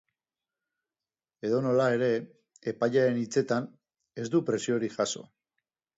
Edonola ere, epailearen hitzetan, ez du presiorik jaso.